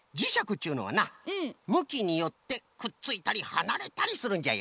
っちゅうのはなむきによってくっついたりはなれたりするんじゃよ。